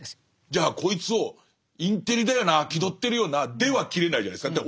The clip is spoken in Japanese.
じゃあこいつをインテリだよな気取ってるよなでは切れないじゃないですか。